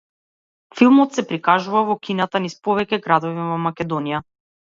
Филмот се прикажува во кината низ повеќе градови во Македонија.